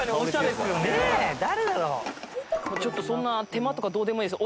ちょっとそんな手間とかどうでもいいです。